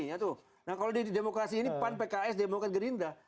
nah kalau di demokrasi ini pan pks demokrat gerindra